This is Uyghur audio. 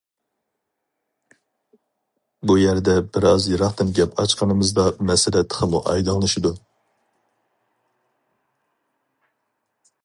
بۇ يەردە بىرئاز يىراقتىن گەپ ئاچقىنىمىزدا مەسىلە تېخىمۇ ئايدىڭلىشىدۇ.